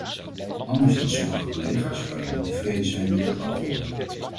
Anders dan sommige collega's kan ik niet tevreden zijn met het antwoord.